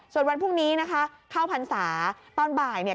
ส่วนวันพรุ่งนี้นะคะเข้าพรรษาตอนบ่ายเนี่ย